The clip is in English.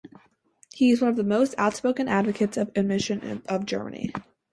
He was one of the most outspoken advocates of admission of Germany.